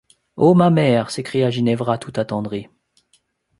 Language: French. Ô ma mère! s’écria Ginevra tout attendrie.